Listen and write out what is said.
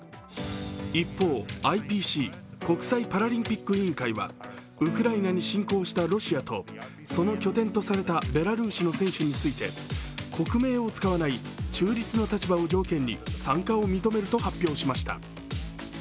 一方、ＩＰＣ＝国際パラリンピック委員会は、ウクライナに侵攻したロシアとその拠点とされたベラルーシの選手について国名を使わない中立の立場を条件に参加を認めると発表しました。